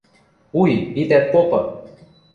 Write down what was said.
Уй, итӓт попы!